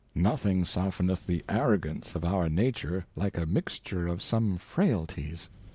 Nothing softneth the Arrogance of our Nature, like a Mixture^ of some . Frailties.